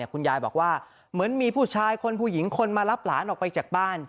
คุณยายบอกว่าเหมือนมีผู้ชายคนผู้หญิงคนมารับหลานออกไปจากบ้าน